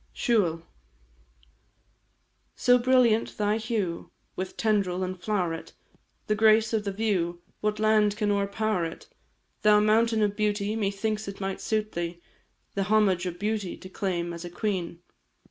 SIUBHAL. So brilliant thy hue With tendril and flow'ret, The grace of the view, What land can o'erpower it? Thou mountain of beauty, Methinks it might suit thee, The homage of beauty To claim as a queen.